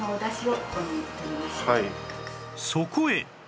そこへ